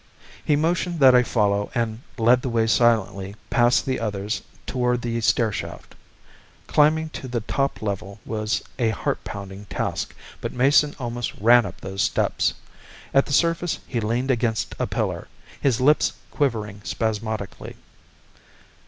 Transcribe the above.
He motioned that I follow and led the way silently past the others toward the stair shaft. Climbing to the top level was a heart pounding task, but Mason almost ran up those steps. At the surface he leaned against a pillar, his lips quivering spasmodically.